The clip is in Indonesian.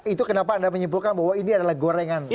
itu kenapa anda menyimpulkan bahwa ini adalah gorengan